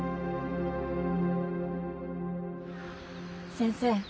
先生